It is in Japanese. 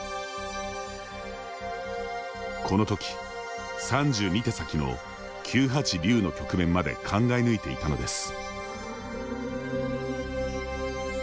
この時、３２手先の９八竜の局面まで考え抜いていたのです。